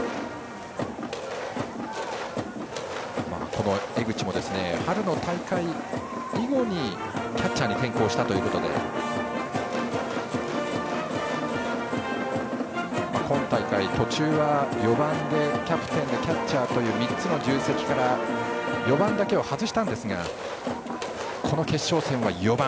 この江口も春の大会以後にキャッチャーに転向したということで今大会、途中は４番でキャプテンでキャッチャーという３つの重責から４番だけを外したんですがこの決勝戦は４番。